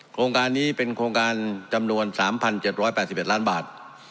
โครงการนี้เป็นโครงการจำนวน๓๗๘๑ล้านบาท